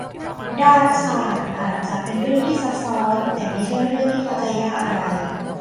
ดาราศาสตร์อาจจะเป็นเรื่องที่ซับซ้อนแต่ไม่ใช่เรื่องที่เข้าใจยากอะไร